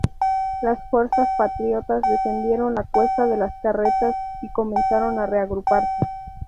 Las fuerzas patriotas descendieron la cuesta de las Carretas y comenzaron a reagruparse.